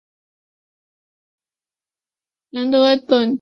南德等即如此得名。